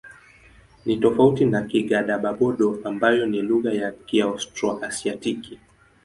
Ni tofauti na Kigadaba-Bodo ambayo ni lugha ya Kiaustro-Asiatiki.